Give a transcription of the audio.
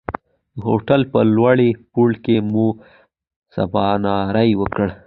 د هوټل په لومړي پوړ کې مو سباناری وکړ.